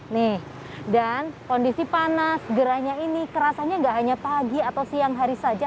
nih dan kondisi panas gerahnya ini kerasanya nggak hanya pagi atau siang hari saja